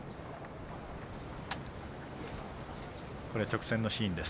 直線のシーンです。